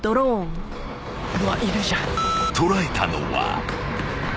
［捉えたのは］